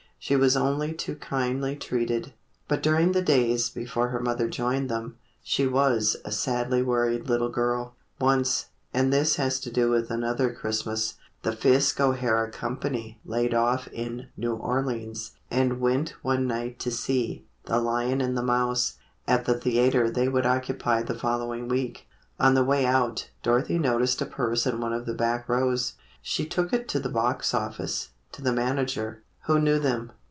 She was only too kindly treated, but during the days before her mother joined them, she was a sadly worried little girl. Once—and this has to do with another Christmas—the Fisk O'Hara Company laid off in New Orleans, and went one night to see "The Lion and the Mouse," at the theatre they would occupy the following week. On the way out, Dorothy noticed a purse in one of the back rows. She took it to the box office, to the manager, who knew them.